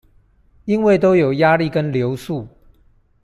因為都有壓力跟流速